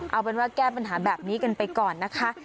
เอาเป็นว่าแก้ปัญหาแบบนี้กันไปก่อนนะคะ